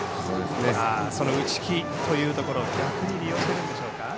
打ち気というところを逆に利用してるんでしょうか。